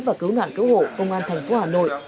và cứu nạn cứu hộ công an thành phố hà nội